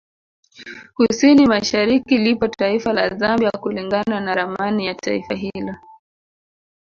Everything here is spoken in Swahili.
Kusini masahariki lipo taifa la Zambia kulingana na ramani ya Taifa hilo